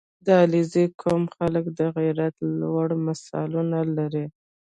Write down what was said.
• د علیزي قوم خلک د غیرت لوړ مثالونه لري.